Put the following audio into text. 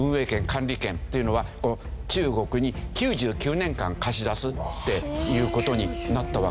管理権っていうのは中国に９９年間貸し出すっていう事になったわけですね。